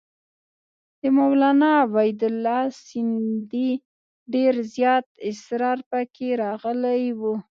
د مولنا عبیدالله سندي ډېر زیات اسرار پکې راغلي وو.